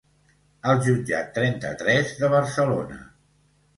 Al jutjat trenta-tres de Barcelona.